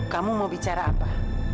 kamu mau bicara apa